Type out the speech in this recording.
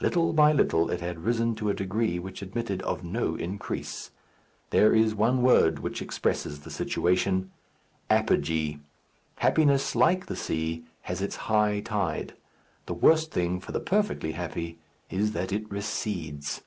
Little by little it had risen to a degree which admitted of no increase. There is one word which expresses the situation apogee. Happiness, like the sea, has its high tide. The worst thing for the perfectly happy is that it recedes.